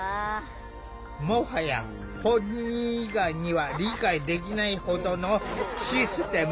もはや本人以外には理解できないほどのシステムを構築。